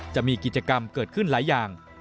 จะมีกิจกรรมเกิดขึ้นหลายอย่าง